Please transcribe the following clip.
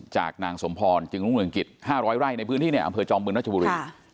จากนางสมพรจึงรุ่งเรืองกิจ๕๐๐ไร่ในพื้นที่ในอำเภอจอมเมืองรัชบุรี